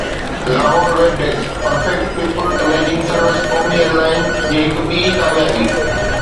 Lahore (web desk) perfect people amazing service قومي airline جي هڪ ٻي ڪاميابي